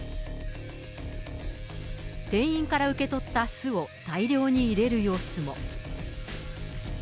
店員から受け取った酢を大量に入れる様子も。